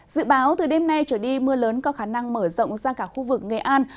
dự báo từ đêm nay trở đi mưa lớn có khả năng mở rộng ra cả khu vực nghệ an